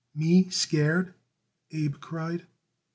"Me scared!" Abe cried.